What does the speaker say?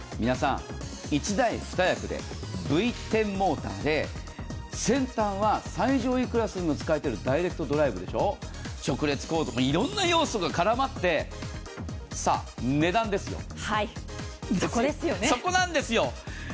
１台２役でＶ１０モーターで先端は最上位クラスにも使われているダイレクトドライブでしょう、直列構造、いろんな要素が絡まってさあ、値段ですよ、そこなんですよ。